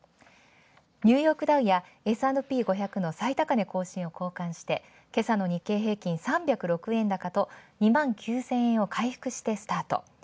ニューヨークダウやＳ＆Ｐ５００の最高値更新を好感し、けさの日経平均、２９０００円を回復してスタート。